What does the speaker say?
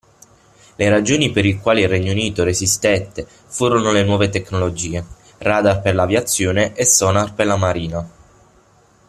Le ragioni per il quale il Regno Unito resistette furono le nuove tecnologie: radar per l'aviazione e sonar per la marina.